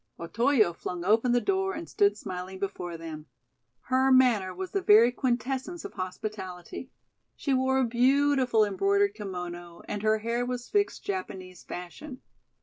Otoyo flung open the door and stood smiling before them. Her manner was the very quintessence of hospitality. She wore a beautiful embroidered kimono and her hair was fixed Japanese fashion.